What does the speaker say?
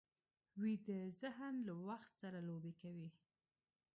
ویده ذهن له وخت سره لوبې کوي